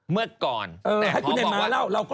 เมื่อก่อนแต่ผมบอกว่า